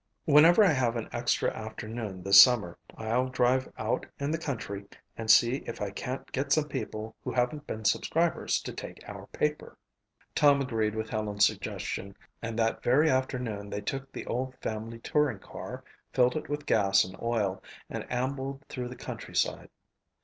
Whenever I have an extra afternoon this summer I'll drive out in the country and see if I can't get some people who haven't been subscribers to take our paper." Tom agreed with Helen's suggestion and that very afternoon they took the old family touring car, filled it with gas and oil, and ambled through the countryside.